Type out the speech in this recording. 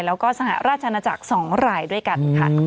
แล้วก็สหราชนาจักร๒รายด้วยกันค่ะ